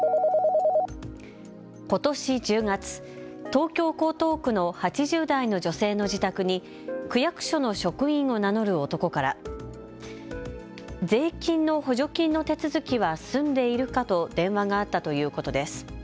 ことし１０月、東京・江東区の８０代の女性の自宅に区役所の職員を名乗る男から税金の補助金の手続きは済んでいるかと電話があったということです。